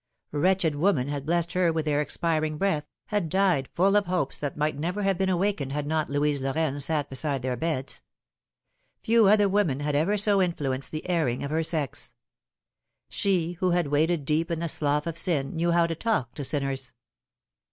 Wretched women had blessed her with their expiring breath, had died full of hopes that might never have been awakened had not Louise Lorraine sat beside their beds. Few other women had ever so influenced the erring of her sex. Sue who had waded deep in the slough of sin knew how to talk to sinners.